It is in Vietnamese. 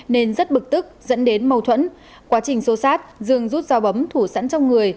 nên rất bực tức dẫn đến mâu thuẫn quá trình xô sát dương rút dao bấm thủ sẵn trong người